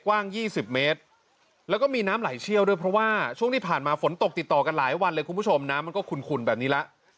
กว้าง๒๐เมตรแล้วก็มีน้ำไหลเชี่ยวด้วยเพราะว่าช่วงที่ผ่านมาฝนตกติดต่อกันหลายวันเลยคุณผู้ชมน้ำมันก็ขุ่นแบบนี้แล้ว